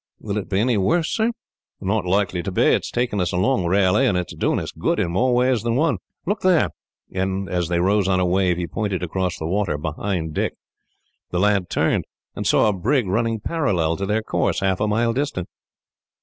"Will it be any worse, sir?" "Not likely to be. It is taking us along rarely, and it is doing us good in more ways than one. "Look there;" and as they rose on a wave, he pointed across the water, behind Dick. The lad turned, and saw a brig running parallel to their course, half a mile distant.